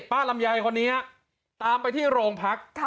ลำไยคนนี้ตามไปที่โรงพัก